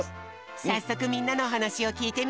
さっそくみんなのおはなしをきいてみよう！